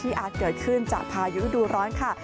อาจเกิดขึ้นจากพายุฤดูร้อนค่ะ